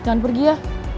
jangan pergi ya